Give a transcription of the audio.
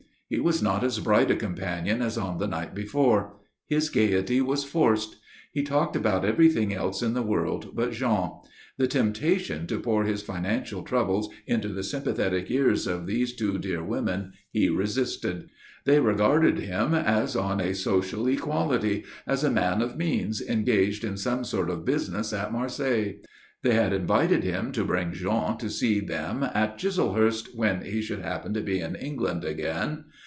He was not as bright a companion as on the night before. His gaiety was forced. He talked about everything else in the world but Jean. The temptation to pour his financial troubles into the sympathetic ears of these two dear women he resisted. They regarded him as on a social equality, as a man of means engaged in some sort of business at Marseilles; they had invited him to bring Jean to see them at Chislehurst when he should happen to be in England again.